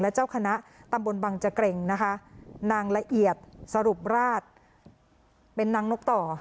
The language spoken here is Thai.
เจ้าคณะตำบลบังเจเกร็งนะคะนางละเอียดสรุปราชเป็นนางนกต่อ